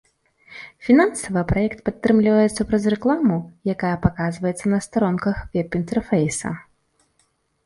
Фінансава праект падтрымліваецца праз рэкламу, якая паказваецца на старонках веб-інтэрфейса.